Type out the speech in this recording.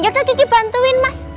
yaudah gigi bantuin mas